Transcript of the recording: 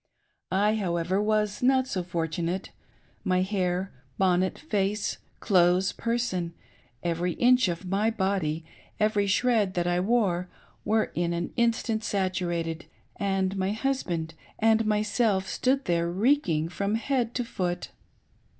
I, however, wa^ not so fortunate. My h^r, honadt, face, clothes, person — every inch of my body, eveiy shred that I wore — ^were in an instant saturated, and my husband and myself stood there redcing fi om head to foot.